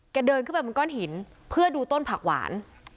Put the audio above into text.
เดินขึ้นไปบนก้อนหินเพื่อดูต้นผักหวาน